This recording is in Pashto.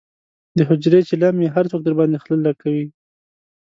د حجرې چیلم یې هر څوک درباندې خله لکوي.